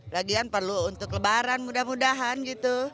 lagian perlu untuk lebaran mudah mudahan gitu